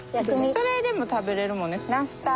それでも食べれるもんね。